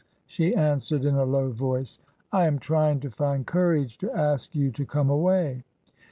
she answered in a low voice, "I am trying to find courage to ask you to come away.